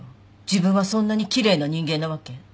自分はそんなに奇麗な人間なわけ？